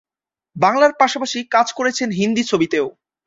বাংলার পাশাপাশি কাজ করেছেন হিন্দি ছবিতেও।